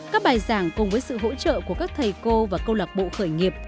các bài giảng cùng với sự hỗ trợ của các thầy cô và câu lạc bộ khởi nghiệp